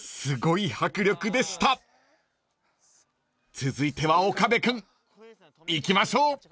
［続いては岡部君いきましょう］